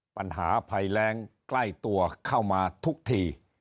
ปัญหาภัยแรงใกล้ตัวเข้ามาทุกที